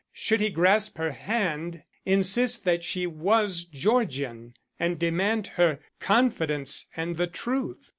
Should he grasp her hand, insist that she was Georgian and demand her confidence and the truth?